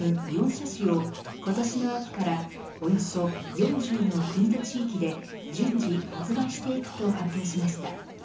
４車種を今年の秋からおよそ４０の国と地域で順次発売していくと発表しました。